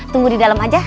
tunggu di dalam aja